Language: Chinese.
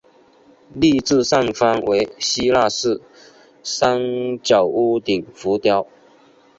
立柱上方为希腊式三角屋顶浮雕。